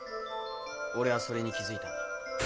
俺はそれに気付いたんだ。